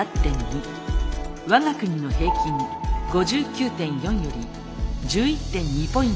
我が国の平均５９．４より１１．２ポイント低くなっています。